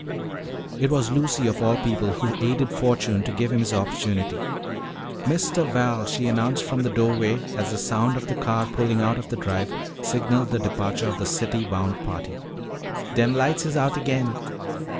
It was Lucy of all people who aided fortune to give him his opportunity. "Mistuh Val," she announced from the doorway as the sound of the car pulling out of the drive signaled the departure of the city bound party, "dem lights is out agin."